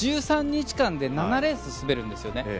１３日間で７レース滑るんですよね。